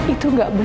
itu nggak bener